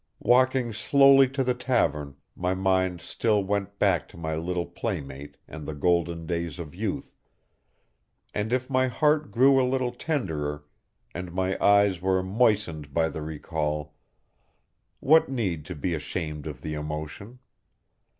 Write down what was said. Walking slowly to the tavern my mind still went back to my little playmate and the golden days of youth, and if my heart grew a little tenderer, and my eyes were moistened by the recall, what need to be ashamed of the emotion?